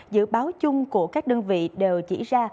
dự báo chung của các đơn vị đều chỉ ra